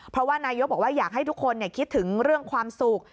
เพราะว่านายกบอกว่าอยากให้ทุกคนคิดถึงเรื่องความสุข